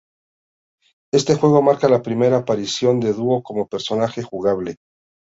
Este juego marca la primera aparición de Duo como personaje jugable.